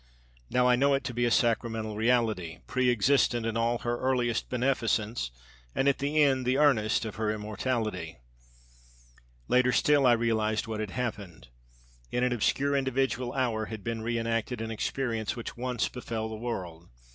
Now I know it to be a sacramental reality, preëxistent in all her earlier beneficence and at the end the earnest of her immortality. Later still I realized what had happened. In an obscure individual hour had been reënacted an experience which once befell the world.